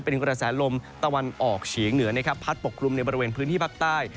เป็นกระแสลมตะวันออกเฉียงเหนือนะครับพัดปกคลุมในบริเวณพื้นที่ภาคใต้